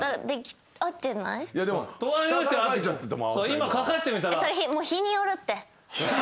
今書かせてみたら。